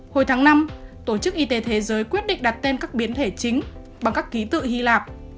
hồi tháng năm tổ chức y tế thế giới quyết định đặt tên các biến thể chính bằng các ký tự hy lạp